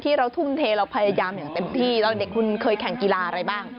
เราทุ่มเทเราพยายามอย่างเต็มที่ตอนเด็กคุณเคยแข่งกีฬาอะไรบ้าง